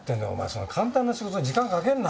そんな簡単な仕事に時間かけんな。